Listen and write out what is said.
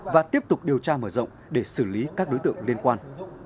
và tiếp tục điều tra mở rộng để xử lý các đối tượng liên quan